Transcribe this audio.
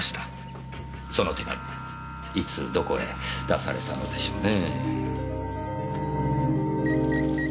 その手紙いつどこへ出されたのでしょうね？